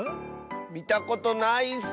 みたことないッス。